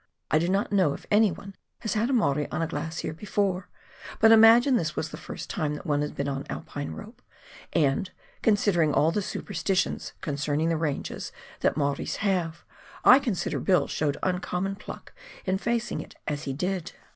I do not know if any one has had a Maori on a glacier before, but imagine this is the first time that one has been on Alpine rope, and, considering all the superstitions concerning the ranges that Maoris have, I consider Bill showed uncommon pluck in facing it as he did.